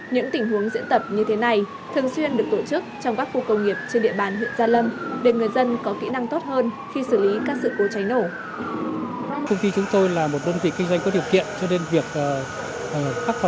những tình huống diễn tập như thế này thường xuyên được tổ chức trong các khu công nghiệp trên địa bàn huyện gia lâm để người dân có kỹ năng tốt hơn khi xử lý các sự cố cháy nổ